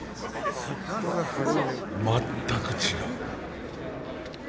全く違う。